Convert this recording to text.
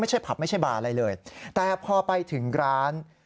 ผับไม่ใช่บาร์อะไรเลยแต่พอไปถึงร้าน